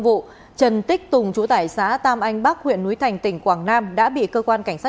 vụ trần tích tùng chủ tải xã tam anh bắc huyện núi thành tỉnh quảng nam đã bị cơ quan cảnh sát